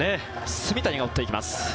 炭谷が追っていきます。